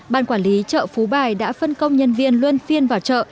ban quản lý chợ phú bài đã phân công nhân viên luôn phiên vào chợ